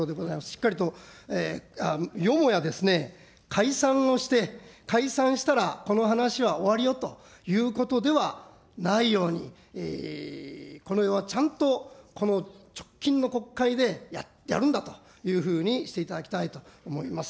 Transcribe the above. しっかりと、よもやですね、解散をして、解散したら、この話は終わりよということではないように、このへんはちゃんと、この直近の国会でやるんだというふうにしていただきたいと思います。